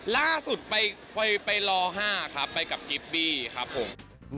ล่าสุดไปล๕ครับไปกับกิฟบี้ครับผม